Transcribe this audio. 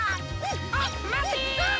あっまて！